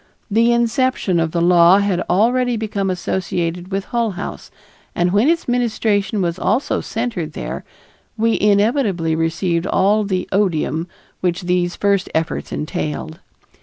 The inception of the law had already become associated with Hull House, and when its ministration was also centered there, we inevitably received all the odium which these first efforts entailed.